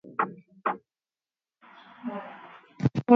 Unisalimie hapo